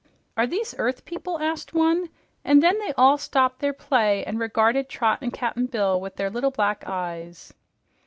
"Are these earth people?" asked one. And then they all stopped their play and regarded Trot and Cap'n Bill with their little black eyes.